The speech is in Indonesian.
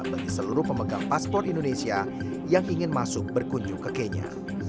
bagi seluruh pemegang paspor indonesia yang ingin masuk berkunjung ke kenya